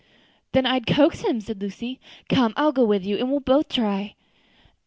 "Then I'd coax him," said Lucy. "Come, I'll go with you, and we will both try."